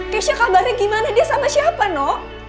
keisha kabarnya gimana dia sama siapa no